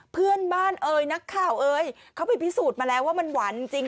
เพื่อนบ้านเอ่ยนักข่าวเอ่ยเขาไปพิสูจน์มาแล้วว่ามันหวานจริง